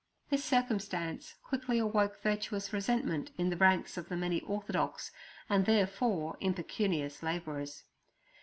This circumstance quickly awoke virtuous resentment in the ranks of the many orthodox, and therefore impecunious, labourers.